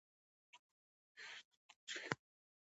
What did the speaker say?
که ستونزه پاتې شي، له ارواپوه سره مشوره وشي.